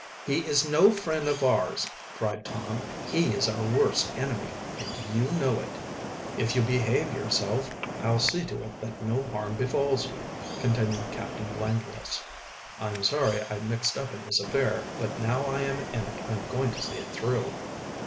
"He is no friend of ours!" cried Tom. "He is our worst enemy and you know it." "If you behave yourself I'll see to it that no harm befalls you," continued Captain Langless. "I'm sorry I mixed up in this affair, but now I am in it I'm going to see it through."